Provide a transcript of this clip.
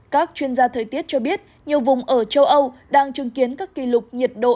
các chuyên gia thời tiết cho biết nhiều vùng ở châu âu đang chứng kiến các kỷ lục nhiệt độ